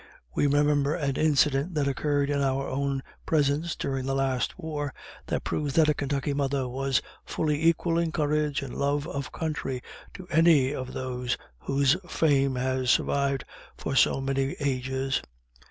We remember an incident that occurred in our own presence during the last war, that proves that a Kentucky mother was fully equal in courage and love of country to any of those whose fame has survived for so many ages.